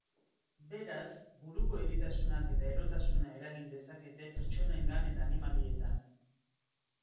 Beraz, buruko eritasunak eta erotasuna eragin dezakete pertsonengan eta animalietan.